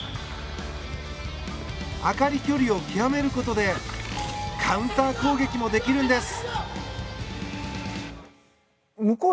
朱理距離を極めることでカウンター攻撃もできるんです。